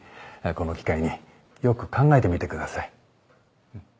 この機会によく考えてみてください。